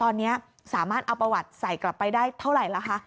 ตอนนี้สามารถเอาประวัติใส่กลับไปได้เท่าไหร่ล่ะคะ